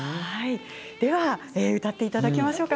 では歌っていただきましょう。